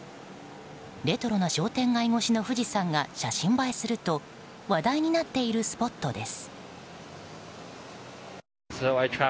レトロな商店街越しの富士山が写真映えすると話題になっているスポットです。